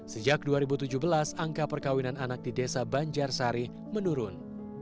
sejak dua ribu tujuh belas angka perkawinan anak di desa banjarsari menurun